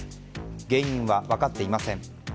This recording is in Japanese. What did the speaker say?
原因は分かっていません。